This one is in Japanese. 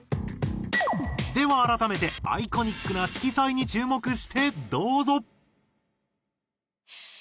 では改めてアイコニックな色彩に注目してどうぞ。